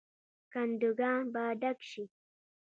کندوګان به ډک شي.